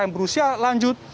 yang berusia lanjut